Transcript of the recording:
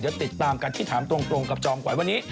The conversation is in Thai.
เดี๋ยวติดตามกันที่ถามตรงกับจอมขวัญวันนี้